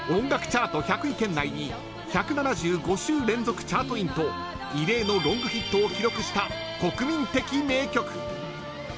チャート１００位圏内に１７５週連続チャートインと異例のロングヒットを記録した国民的名曲。